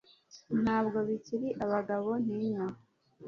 Ntabwo bikiri abagabo ntinya